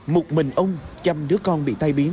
một mình ông trăm đứa con bị tai biến